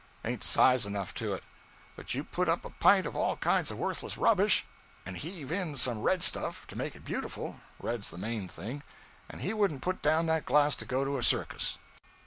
Ain't size enough to it. But you put up a pint of all kinds of worthless rubbish, and heave in some red stuff to make it beautiful red's the main thing and he wouldn't put down that glass to go to a circus.'